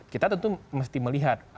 kita tentu mesti melihat